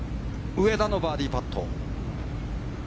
上田のバーディーパット。